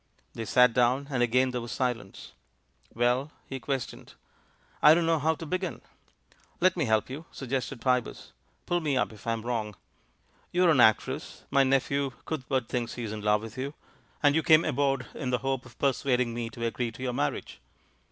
They sat down, and again there was silence. "Well?" he questioned. "I don't know how to begin." THE FAVOURITE PLOT 27^ "Let me help you," suggested Pybus. "Pull me up if I'm wrong. You are an actress; my nephew Cuthbert thinks he is in love with you; and you came aboard in the hope of persuading me to agree to your marriage.